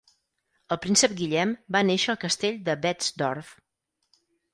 El príncep Guillem va néixer al castell de Betzdorf.